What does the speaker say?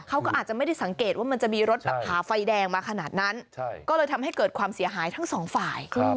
เขาก็อาจจะไม่ได้สังเกตว่ามันจะมีรถแบบหาไฟแดงมาขนาดนั้นก็เลยทำให้เกิดความเสียหายทั้งสองฝ่าย